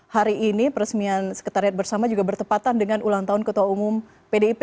hari ini peresmian sekretariat bersama juga bertepatan dengan ulang tahun ketua umum pdip